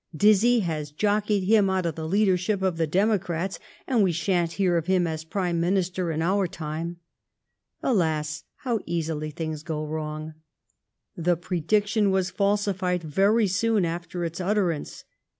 " Dizzy has jockeyed him out of the leadership of the democrats, and we sha'n't hear of him as Prime Minister in our time/' Alas! how easily things go wrong! The prediction was falsified very soon after its utterance.